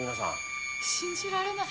信じられない。